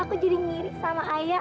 aku jadi ngirik sama ayah